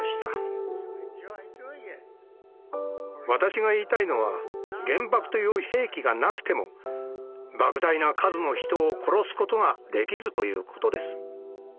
私が言いたいのは原爆という兵器がなくても莫大な数の人を殺すことができるということです。